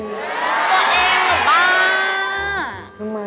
ตัวเองเหรอบ้า